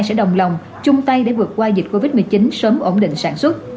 sẽ đồng lòng chung tay để vượt qua dịch covid một mươi chín sớm ổn định sản xuất